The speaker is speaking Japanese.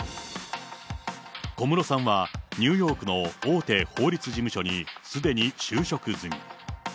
小室さんは、ニューヨークの大手法律事務所にすでに就職済み。